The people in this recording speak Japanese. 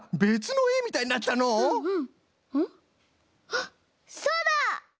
あっそうだ！